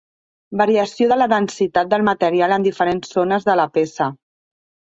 Variació de la densitat del material en diferents zones de la peça.